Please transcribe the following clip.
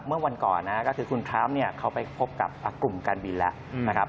เมื่อวันก่อนก็คือคุณคล้ำเขาไปพบกับกลุ่มการบินแล้ว